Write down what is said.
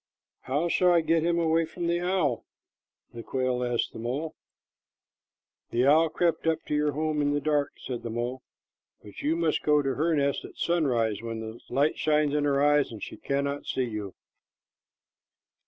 "How shall I get him away from the owl?" the quail asked the mole. "The owl crept up to your home in the dark," said the mole, "but you must go to her nest at sunrise when the light shines in her eyes and she cannot see you."